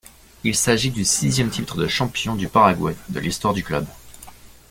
Il s'agit du sixième titre de champion du Paraguay de l’histoire du club.